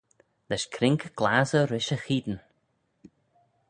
Lesh crink glassey rish y cheayn.